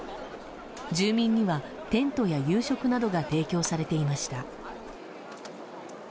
住民には、テントや夕食などが提供されていました。